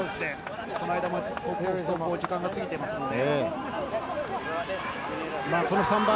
この間も時間が過ぎてますので。